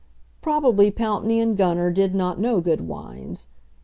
Probably Pountney and Gunner did not know good wines.